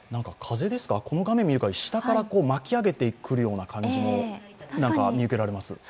風ですか、この画面を見る限り下から巻き上げている感じも見受けられます。